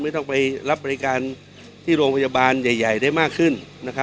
ต้องไปรับบริการที่โรงพยาบาลใหญ่ได้มากขึ้น